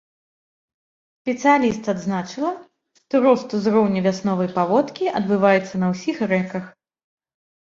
Спецыяліст адзначыла, што рост узроўню вясновай паводкі адбываецца на ўсіх рэках.